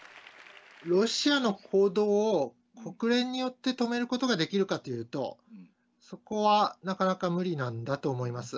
ロシアの行動を国連によって止めることができるかというと、そこはなかなか無理なんだと思います。